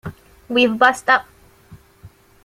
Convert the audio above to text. We've bust up.